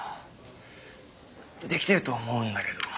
できてると思うんだけど。